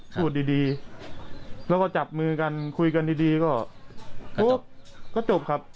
พูดดีแล้วก็จับมือกันคุยกันดีก็จบครับ